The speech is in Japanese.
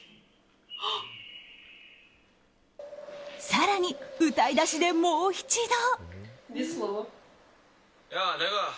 更に歌い出しで、もう一度。